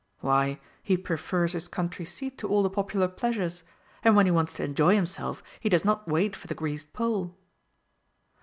Why, he prefers his country seat to all the popular pleasures; and when he wants to enjoy himself, he does not wait for the greased pole!